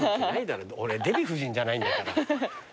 俺デヴィ夫人じゃないんだから。